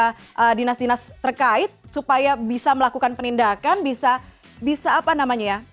dan juga dinas dinas terkait supaya bisa melakukan penindakan bisa apa namanya ya